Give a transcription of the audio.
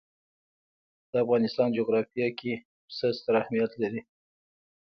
د افغانستان جغرافیه کې پسه ستر اهمیت لري.